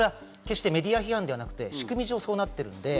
メディア批判ではなくて仕組み上、そうなっている。